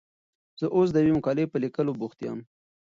زه اوس د یوې مقالې په لیکلو بوخت یم.